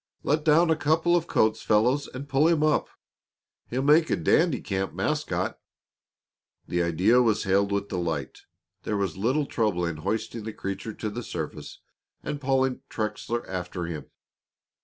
"Let down a couple of coats, fellows, and pull him up. He'll make a dandy camp mascot." The idea was hailed with delight. There was little trouble in hoisting the creature to the surface and pulling Trexler after him.